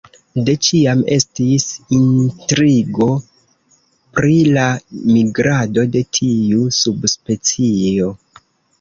De ĉiam estis intrigo pri la migrado de tiu subspecio.